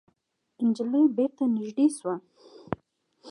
نجلۍ بېرته نږدې شوه.